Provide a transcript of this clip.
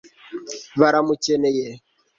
baramukeneye